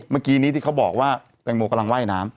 เมื่อกี้นี้ที่เขาบอกว่าแตงโมกำลังว่ายน้ำ